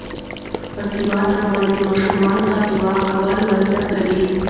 باسواده میندې ماشومانو ته دعا کول ور زده کوي.